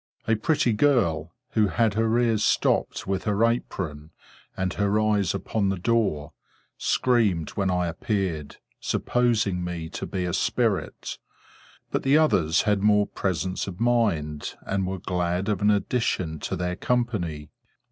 A pretty girl, who had her ears stopped with her apron, and her eyes upon the door, screamed when I appeared, supposing me to be a spirit; but the others had more presence of mind, and were glad of an addition to their company.